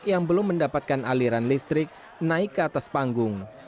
yang belum mendapatkan aliran listrik naik ke atas panggung